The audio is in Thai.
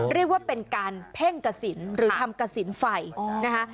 เรียกว่าเป็นการเพ่งกระสินหรือทำกระสินไฟนะคะ